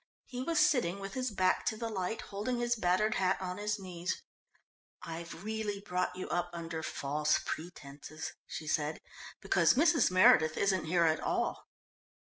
He was sitting with his back to the light, holding his battered hat on his knees. "I've really brought you up under false pretences," she said, "because Mrs. Meredith isn't here at all."